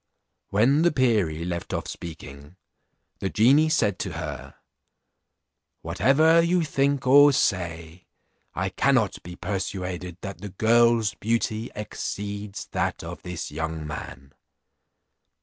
When the perie left off speaking, the genie said to her, "Whatever you think or say, I cannot be persuaded that the girl's beauty exceeds that of this young man."